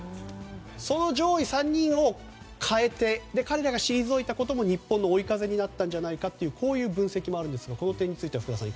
その上位３人を代えて彼らが退いたことも日本の追い風になったんじゃないかということもこういう分析もあるんですがこの点福田さん